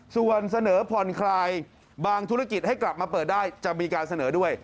ส่วนเสนอผ่อนคลายบางธุรกิจให้กลับมาเปิดได้จะมีการเสนอด้วย